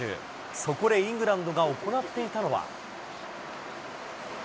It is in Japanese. そこでイングランドが行っていたのは。